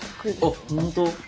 あっ本当？